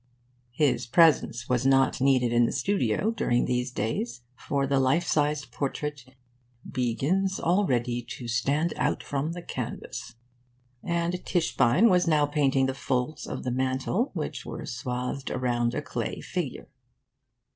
His presence was not needed in the studio during these days, for the life sized portrait 'begins already to stand out from the canvas,' and Tischbein was now painting the folds of the mantle, which were swathed around a clay figure.